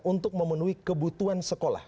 untuk memenuhi kebutuhan sekolah